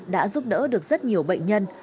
đã giúp đỡ được rất nhiều bệnh nhân